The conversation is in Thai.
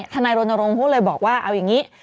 ทนายโรนโรงพวกเลยบอกว่าเอาอย่างนี้